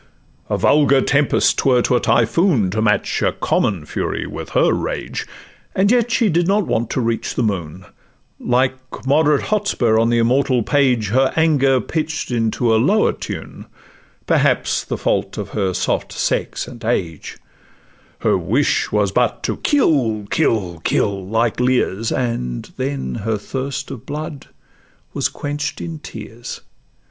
A vulgar tempest 'twere to a typhoon To match a common fury with her rage, And yet she did not want to reach the moon, Like moderate Hotspur on the immortal page; Her anger pitch'd into a lower tune, Perhaps the fault of her soft sex and age— Her wish was but to 'kill, kill, kill,' like Lear's, And then her thirst of blood was quench'd in tears.